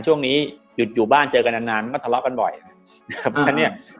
ช่วงนี้หยุดอยู่บ้านเจอกันนานมันก็ทะเลาะกันบ่อยนะครับ